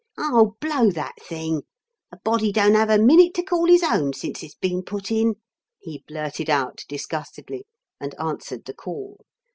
"Oh, blow that thing! A body don't have a minute to call his own since it's been put in," he blurted out disgustedly, and answered the call.